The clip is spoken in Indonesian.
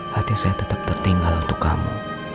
hati saya tetap tertinggal untuk kamu